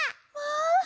まあ！